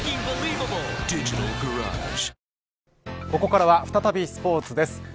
ここからは再びスポーツです。